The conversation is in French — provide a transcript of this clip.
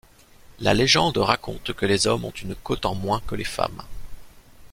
La légende raconte que les hommes ont une côte en moins que les femmes.